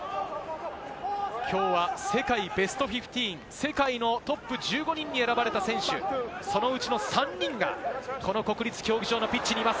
きょうは世界ベスト１５、世界のトップ１５人に選ばれた選手、そのうちの３人が国立競技場のピッチにいます。